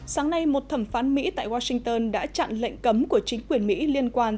sáng nay một thẩm phán mỹ tại washington đã chặn lệnh cấm của chính quyền mỹ liên quan